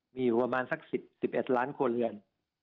มีอยู่ประมาณสัก๑๑ล้านครัวเรือน